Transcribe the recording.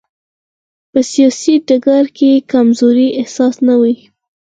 په سیاسي ډګر کې کمزورۍ احساس نه وي.